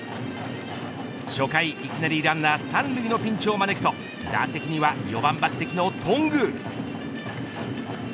初回いきなりランナー３塁のピンチを招くと打席には４番抜てきの頓宮。